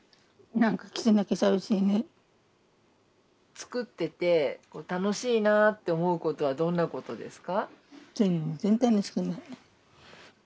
作ってて楽しいなって思うことはどんなことですか？